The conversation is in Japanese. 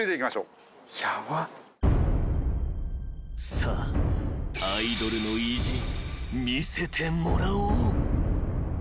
［さあアイドルの意地見せてもらおう］